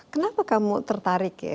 kenapa kamu tertarik ya